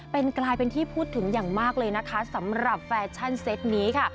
เป็นกลายเป็นที่พูดถึงอย่างมากเลยนะคะสำหรับแฟชั่นเซตนี้ค่ะ